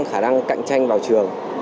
khả năng cạnh tranh vào trường